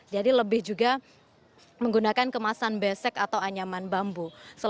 jadi lebih juga menggunakan kemasan besek atau anyaman bambu